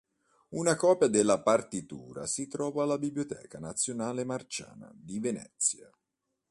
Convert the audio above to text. Una copia della partitura si trova alla Biblioteca nazionale Marciana di Venezia.